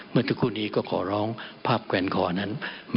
เมื่อที่คู่นี้ก็ขอร้องภาพแวร์นเขานั้น